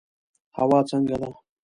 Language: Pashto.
هوا څنګه ده؟